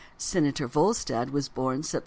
Senator Volstead was born Sept.